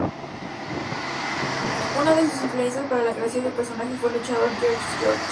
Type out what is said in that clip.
Una de sus influencias para la creación del personaje fue el luchador Gorgeous George.